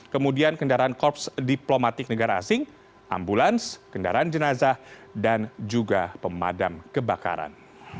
kemudian kendaraan korps diplomatik negara asing ambulans kendaraan jenazah dan juga pemadam kebakaran